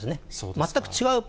全く違う。